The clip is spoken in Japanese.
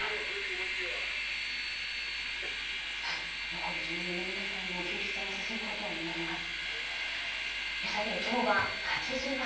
残る住民の皆さんの救出が進むことを祈ります。